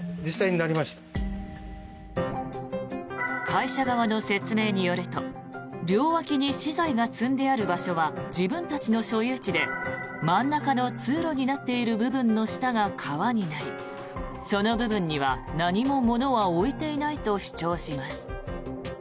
会社側の説明によると両脇に資材が積んである場所は自分たちの所有地で真ん中の通路になっている部分の下が川になり、その部分には何も物は置いていないと主張します。